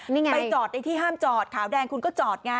นี่ไงไปจอดในที่ห้ามจอดขาวแดงคุณก็จอดไง